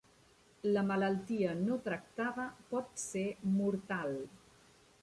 La malaltia no tractada pot ser mortal.